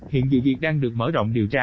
hiện vì việc đang được mở rộng điều tra